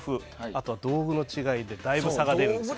あとは道具の違いでだいぶ差が出ます。